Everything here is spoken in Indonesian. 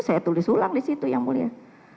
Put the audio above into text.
saya tulis ulang disitu yang mulia